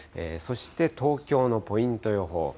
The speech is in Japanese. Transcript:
そして、東京のポイント予報。